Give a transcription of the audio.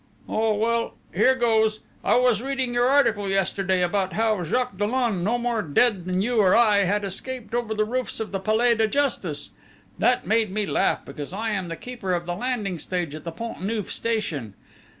"Oh, well, here goes! I was reading your article yesterday, about how Jacques Dollon, no more dead than you or I, had escaped over the roofs of the Palais de Justice. That made me laugh, because I am the keeper of the landing stage at the Pont Neuf Station.